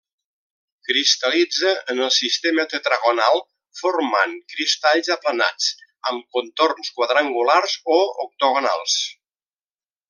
Cristal·litza en el sistema tetragonal formant cristalls aplanats, amb contorns quadrangulars o octogonals.